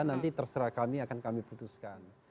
nanti terserah kami akan kami putuskan